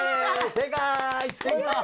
正解！